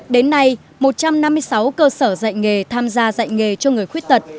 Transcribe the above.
đến nay một trăm năm mươi sáu cơ sở dạy nghề tham gia dạy nghề cho người khuyết tật